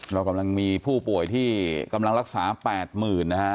เรากำลังมีผู้ป่วยที่กำลังรักษา๘๐๐๐นะฮะ